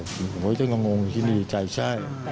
เฮ้ยจะงงอยู่ที่นี่ใจใช่